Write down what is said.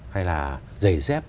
hay là giày dép